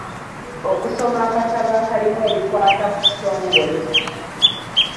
Okusoma akatabo akalimu ebikwata ku kitongole.